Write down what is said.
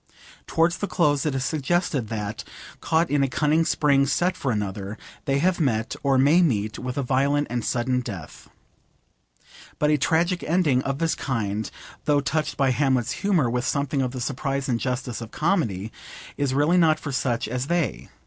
Towards the close it is suggested that, caught in a cunning spring set for another, they have met, or may meet, with a violent and sudden death. But a tragic ending of this kind, though touched by Hamlet's humour with something of the surprise and justice of comedy, is really not for such as they.